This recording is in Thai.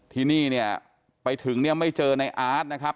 ทีนี้ไปถึงไม่เจอน้ายอาร์ตนะครับ